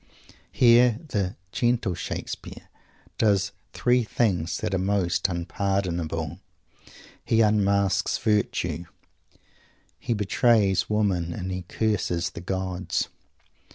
Here the "gentle Shakespeare" does the three things that are most unpardonable. He unmasks virtue; he betrays Woman; and he curses the gods.